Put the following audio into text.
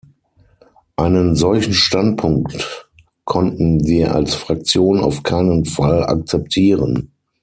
Einen solchen Standpunkt konnten wir als Fraktion auf keinen Fall akzeptieren.